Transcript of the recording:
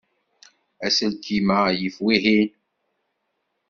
Aselkim-a yif wihin.